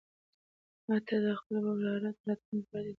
ما ته د خپل وراره د راتلونکي په اړه ډېر تشویش و.